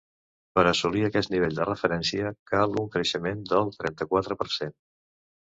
Per a assolir aquest nivell de referència, cal un creixement del trenta-quatre per cent.